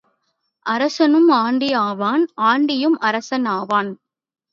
அரசனும் ஆண்டி ஆவான் ஆண்டியும் அரசன் ஆவான்.